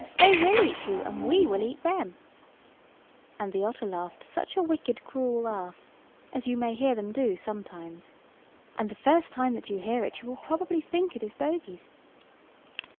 they will eat you, and we will eat them;" and the otter laughed such a wicked cruel laugh—as you may hear them do sometimes; and the first time that you hear it you will probably think it is bogies.